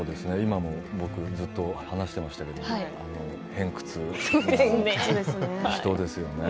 ずっと話をしてましたけれども、偏屈な人ですよね。